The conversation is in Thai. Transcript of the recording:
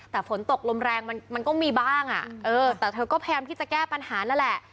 แต่ฝนตกลมแรงมันก็มีบ้างอ่ะเออแต่เธอก็พยายามที่จะแก้ปัญหานั่นแหละ